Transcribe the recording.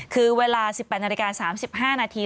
คือเวลา๑๘นาฬิกา๓๕นาที